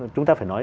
chúng ta phải nói